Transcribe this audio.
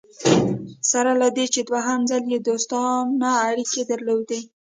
سره له دې چې دوهم ځل یې دوستانه اړیکي درلودې.